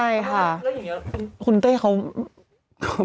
แล้วอย่างนี้คุณเต้เขา